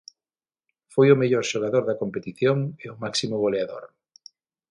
Foi o mellor xogador da competición e o máximo goleador.